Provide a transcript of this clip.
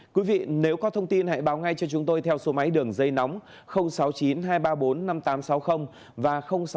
quý vị nếu có thông tin hãy báo ngay cho chúng tôi theo số máy đường dây nóng sáu mươi chín hai trăm ba mươi bốn năm nghìn tám trăm sáu mươi và sáu mươi chín hai trăm ba mươi một một nghìn sáu trăm bảy